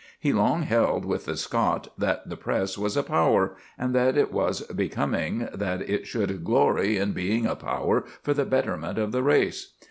He long held with the Scot that the Press was a power, and that it was becoming that it should glory in being a power for the betterment of the race.